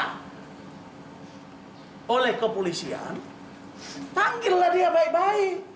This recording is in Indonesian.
ketika dia dianggap oleh kepolisian tanggillah dia baik baik